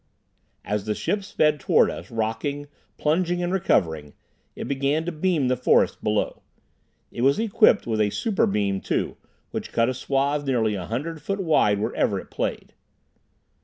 As the ship sped toward us, rocking, plunging and recovering, it began to beam the forest below. It was equipped with a superbeam too, which cut a swathe nearly a hundred feet wide wherever it played.